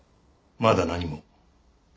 まだ何も。